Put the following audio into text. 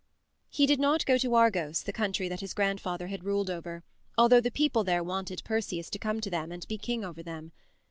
He did not go to Argos, the country that his grandfather had ruled over, although the people there wanted Perseus to come to them, and be king over them.